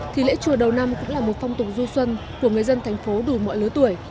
thì lễ chùa đầu năm cũng là một phong tục du xuân của người dân thành phố đủ mọi lứa tuổi